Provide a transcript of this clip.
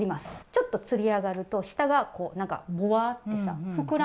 ちょっとつり上がると下がこうぼわってさ膨らんだ